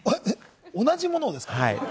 同じものですか？